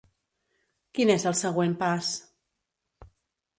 Quin és el següent pas?